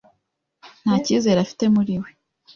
nta cyizere afite muri we.